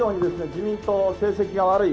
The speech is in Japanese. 自民党成績が悪い。